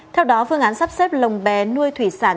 theo đó phương án sắp xếp lồng bé nuôi thủy sản